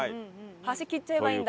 橋切っちゃえばいいんだ。